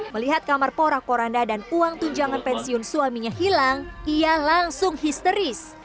melihat kamar porak poranda dan uang tunjangan pensiun suaminya hilang ia langsung histeris